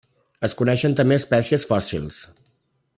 Es coneixen també espècies fòssils.